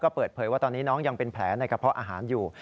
เปิดเผยว่าตอนนี้น้องยังเป็นแผลในกระเพาะอาหารอยู่